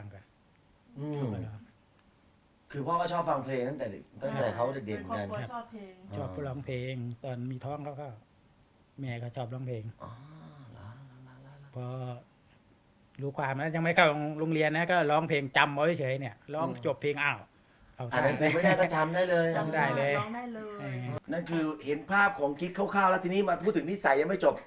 ขอยืมนะแต่ไม่เคยบอกคืนเลย